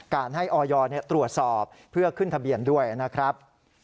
การให้ออยตรวจสอบเพื่อขึ้นทะเบียนด้วยนะครับ